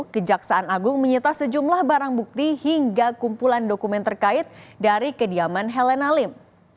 kejaksaan agung menyita sejumlah barang bukti hingga kumpulan dokumen terkait dari kediaman helen alim